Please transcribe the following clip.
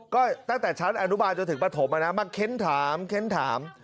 ก็ตั้งแต่ฉันอนุมายจนถึงประถมมานะครับเค้นถาม